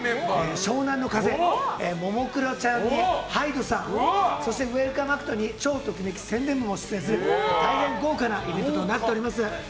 湘南乃風、ももクロちゃんにＨＹＤＥさんそしてウェルカムアクトに超ときめき宣伝部も出演する大変豪華なイベントとなっております。